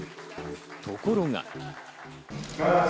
ところが。